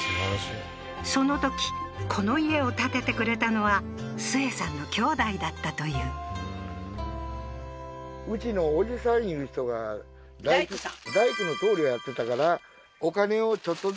そのときこの家を建ててくれたのはスエさんの兄弟だったというふーん辰夫やな辰夫さん